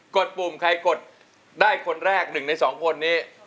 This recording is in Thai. ดปุ่มใครกดได้คนแรก๑ใน๒คนนี้